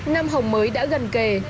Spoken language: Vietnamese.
năm học mới đã gần kề